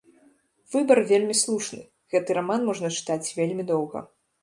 Выбар вельмі слушны, гэты раман можна чытаць вельмі доўга.